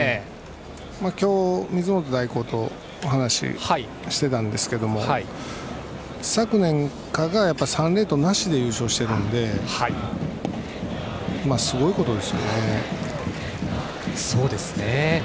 今日、水本代行とお話してたんですけども昨年から３連投なしで優勝をしているのですごいことですよね。